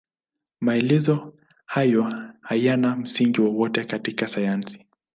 Maelezo hayo hayana msingi wowote katika sayansi.